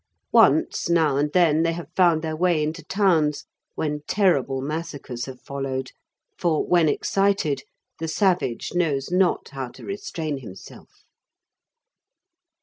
Once, now and then, they have found their way into towns, when terrible massacres have followed, for, when excited, the savage knows not how to restrain himself.